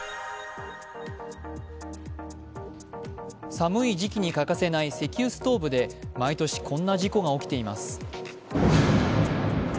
寒い時期に欠かせない石油ストーブで毎年、こんな事故が起きています。